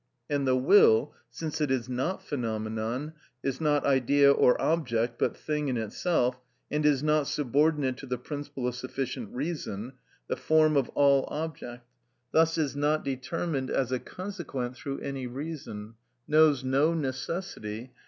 And the will, since it is not phenomenon, is not idea or object, but thing in itself, and is not subordinate to the principle of sufficient reason, the form of all object; thus is not determined as a consequent through any reason, knows no necessity, _i.